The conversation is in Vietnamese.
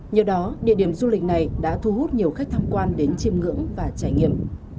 nhờ đó địa điểm du lịch này đã thu hút nhiều khách tham quan đến chiêm ngưỡng và trải nghiệm